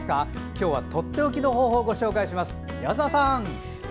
今日はとっておきの方法をご紹介します、宮澤さん。